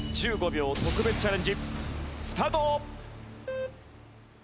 １５秒特別チャレンジスタート！